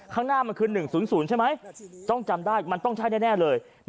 ข้างหน้ามันคือ๑๐๐ใช่ไหมต้องจำได้มันต้องใช่แน่เลย